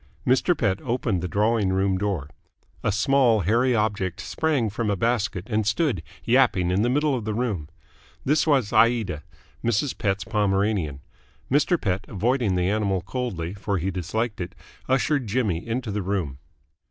Mr. Pett opened the drawing room door. A small hairy object sprang from a basket and stood yapping in the middle of the room. This was Aida, Mrs. Pett's Pomeranian. Mr. Pett, avoiding the animal coldly, for he disliked it, ushered Jimmy into the room.